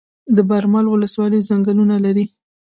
د برمل ولسوالۍ ځنګلونه لري